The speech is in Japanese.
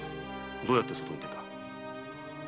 どうやって外へ出た。